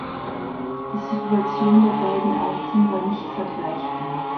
Die Situation der beiden Arten war nicht vergleichbar.